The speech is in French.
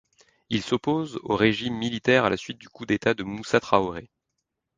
Il s’oppose au régime militaire à la suite du coup d’État de Moussa Traoré.